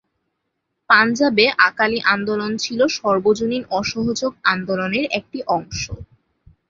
পাঞ্জাবে আকালি আন্দোলন ছিল সর্বজনীন অসহযোগ আন্দোলনের একটি অংশ।